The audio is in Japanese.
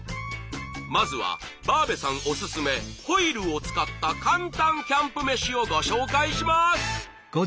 まずはバーベさんオススメホイルを使った簡単キャンプ飯をご紹介します。